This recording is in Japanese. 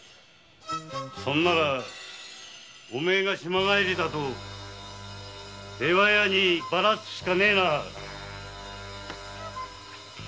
そんならお前が島帰りだと出羽屋にバラすしかねえな！